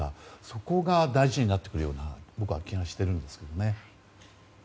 そこが大事になってくるような気がしているんですね。